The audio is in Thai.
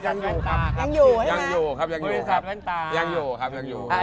บริษัทแว่นตา